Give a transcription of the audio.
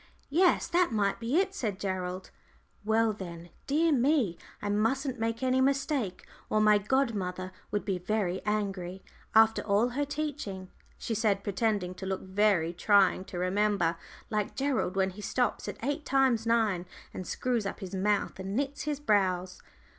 "Yes that might be it," said Gerald. "Well, then dear me, I mustn't make any mistake, or my godmother would be very angry, after all her teaching," she said, pretending to look very trying to remember, like Gerald when he stops at "eight times nine," and screws up his mouth and knits his brows.